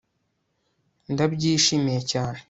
Ndabyishimiye cyane